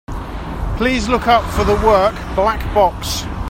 Please look up for the work, Black Box.